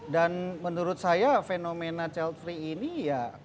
dan menurut saya fenomena child free ini ya